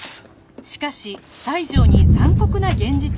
しかし西条に残酷な現実が